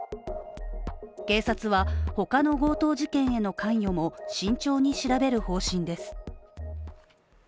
警察は他の強盗事件への関与も慎重に調べる方針です。